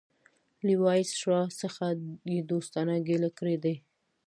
له وایسرا څخه یې دوستانه ګیله کړې ده.